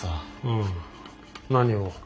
うん何を？